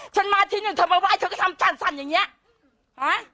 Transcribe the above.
ฉันมาที่นี่เธอมาว่าเธอก็ทำสั่นอย่างเงี้ยห้ะ